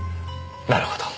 なるほど。